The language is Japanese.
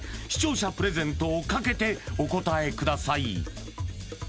視聴者プレゼントをかけてお答えください